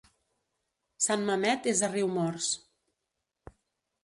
Sant Mamet és a Riumors.